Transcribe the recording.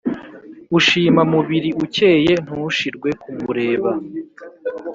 Ushima mubiri ukeye Ntushirwe kumureba.